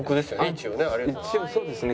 一応そうですね。